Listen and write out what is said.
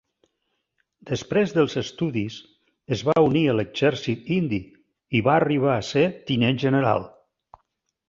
Després dels estudis es va unir a l'exèrcit indi i va arribar a ser tinent general.